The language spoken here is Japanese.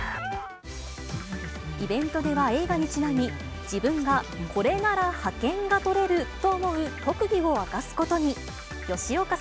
イベントでは映画にちなみ、自分がこれなら覇権が取れると思う特技を明かすことに。